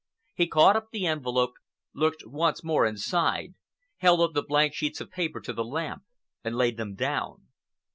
He caught up the envelope, looked once more inside, held up the blank sheets of paper to the lamp and laid them down.